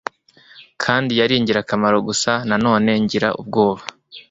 kandi yari ingirakamaro gusa na none ngira ubwoba